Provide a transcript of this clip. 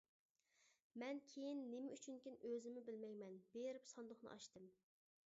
مەن كېيىن نېمە ئۈچۈنكىن ئۆزۈممۇ بىلمەيمەن بېرىپ ساندۇقنى ئاچتىم.